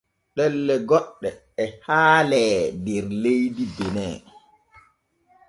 Ɗelle goɗɗe e haalee der leydi Bene.